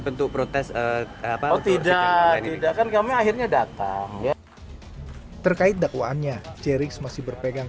bentuk protes apa tidak tidak kan kami akhirnya datang ya terkait dakwaannya jerings masih berpegang